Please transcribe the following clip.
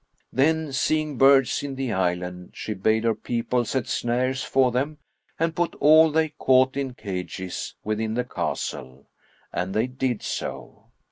"[FN#53] Then seeing birds in the island, she bade her people set snares for them and put all they caught in cages within the castle; and they did so.